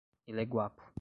Ele é guapo